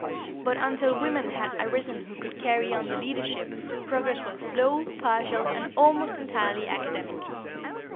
But until women had arisen who could carry on the leadership, progress was slow, partial and almost entirely academic.